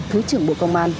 thứ trưởng bộ công an